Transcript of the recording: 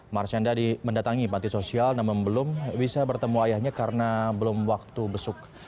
marcenda mendatangi panti sosial namun belum bisa bertemu ayahnya karena belum waktu besuk